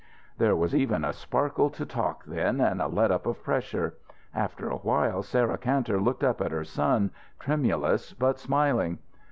There was even a sparkle to talk then, and a let up of pressure. After a while, Sarah Kantor looked up at her son, tremulous but smiling.